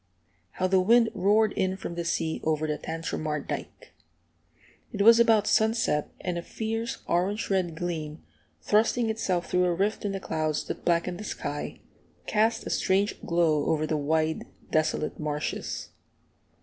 How the wind roared in from the sea over the Tantramar dike! It was about sunset, and a fierce orange red gleam, thrusting itself through a rift in the clouds that blackened the sky, cast a strange glow over the wide, desolate marshes.